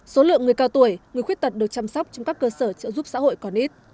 số lượng người cao tuổi người khuyết tật được chăm sóc trong các cơ sở trợ giúp xã hội còn ít